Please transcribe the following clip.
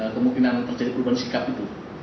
kemungkinan terjadi perubahan sikap itu